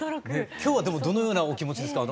今日はでもどのようなお気持ちですか？